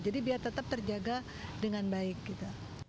jadi biar tetap terjaga dengan baik gitu